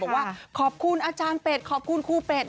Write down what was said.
บอกว่าขอบคุณอาจารย์เป็ดขอบคุณครูเป็ด